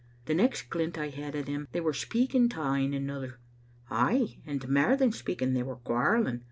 The next glint I had o* them they were speaking to ane another; ay, and mair than speaking. They were quarrelling.